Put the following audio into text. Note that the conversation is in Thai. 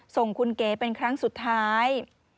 ส่งคุณเก๋เป็นครั้งสุดท้าย